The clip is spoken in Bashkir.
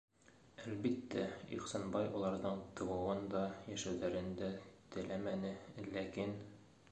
Әлбиттә, Ихсанбай уларҙың тыуыуын да, йәшәүҙәрен дә теләмәне, ләкин...